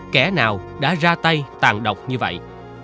kẻ nào đã ra tay tàn độc như vậy